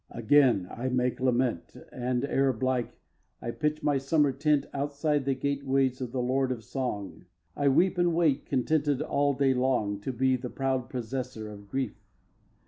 again I make lament, And, Arab like, I pitch my summer tent Outside the gateways of the Lord of Song. I weep and wait, contented all day long To be the proud possessor of a grief.